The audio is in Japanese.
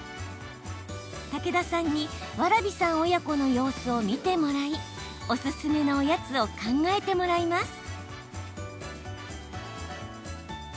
武田さんに蕨さん親子の様子を見てもらいおすすめのおやつを考えてもらいます。